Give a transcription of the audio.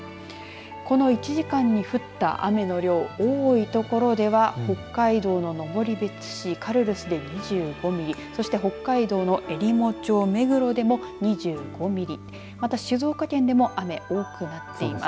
この１時間に降った雨の量多い所では北海道の登別市カルルスで２５ミリそして北海道のえりも町目黒でも２５ミリ。